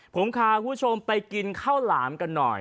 ผมพาคุณผู้ชมไปกินข้าวหลามกันหน่อย